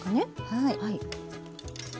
はい。